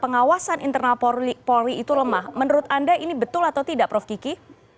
pengawasan internal polri itu lemah menurut anda ini betul atau tidak prof kiki